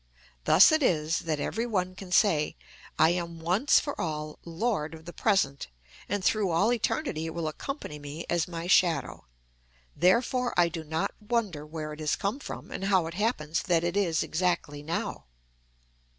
Thus it is that every one can say, "I am once for all lord of the present, and through all eternity it will accompany me as my shadow: therefore I do not wonder where it has come from, and how it happens that it is exactly now."